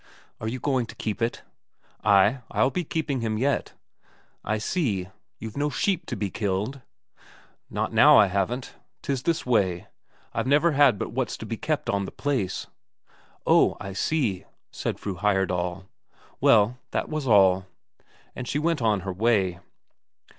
"Are you going to keep it?" "Ay, I'll be keeping him yet." "I see. You've no sheep to be killed?" "Not now I haven't. 'Tis this way, I've never had but what's to be kept on the place." "Oh, I see," said Fru Heyerdahl; "well, that was all." And she went on her way.